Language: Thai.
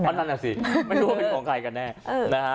อ๋อนั่นแหละสิไม่รู้ว่าเป็นของใครกันแน่